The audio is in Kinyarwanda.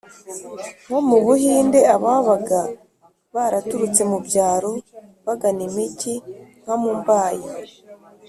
nko mu buhinde, aba baga baraturutse mu byaro bagana imijyi nka mumbai